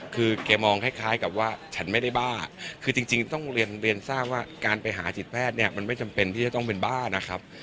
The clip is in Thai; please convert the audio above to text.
คือแกมองคล้ายกับว่าฉันไม่ได้บ้าคือจริงต้องเรียนเรียนทราบว่าการไปหาจิตแพทย์เนี่ยมันไม่จำเป็นที่จะต้องเป็นบ้านะครับ